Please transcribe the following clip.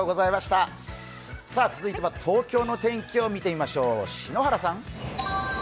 続いては東京の天気を見てみましょう、篠原さん。